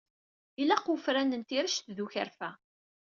Ilaq wefran n tirect d ukerfa.